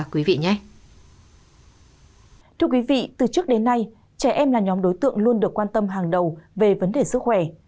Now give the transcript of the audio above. thưa quý vị từ trước đến nay trẻ em là nhóm đối tượng luôn được quan tâm hàng đầu về vấn đề sức khỏe